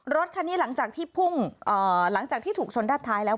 รถคันนี้หลังจากที่พุ่งหลังจากที่ถูกชนด้านท้ายแล้ว